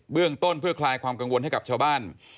เรื่องต้นเพื่อคลายความกังวลให้กับชาวบ้าน